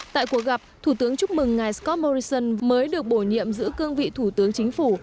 tại cuộc gặp thủ tướng chúc mừng ngài scott morrison mới được bổ nhiệm giữa cương vị thủ tướng chính phủ